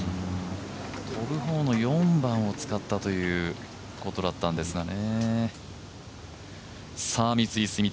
飛ぶ方の４番を使ったということだったんですがね。